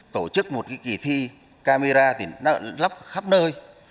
tổ chức một kỳ thi camera lắp khắp nơi